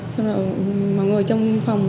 xong rồi mọi người trong phòng